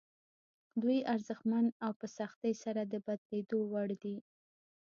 دوی ارزښتمن او په سختۍ سره د بدلېدو وړ دي.